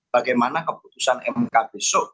bagaimana keputusan mkp soek